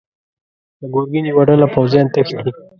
د ګرګين يوه ډله پوځيان تښتي.